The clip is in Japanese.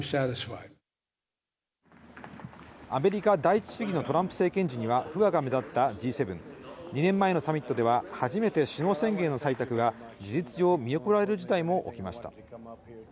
アメリカ第一主義のトランプ政権時には不安が目立ったＧ７、２年前のサミットでは初めて首脳宣言の採択が事実上、見送られる事態も起きました。